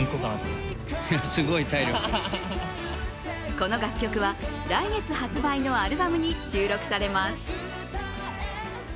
この楽曲は来月発売のアルバムに収録されます。